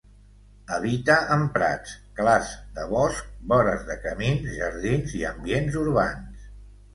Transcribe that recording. Habita en prats, clars de bosc, vores de camins, jardins i ambients urbans.